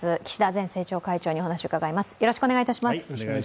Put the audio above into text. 前政調会長にお話を伺います。